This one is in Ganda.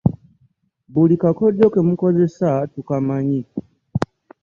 Buli kakodyo ke mukozesa tukamanyi.